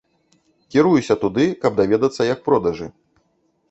Кіруюся туды, каб даведацца, як продажы.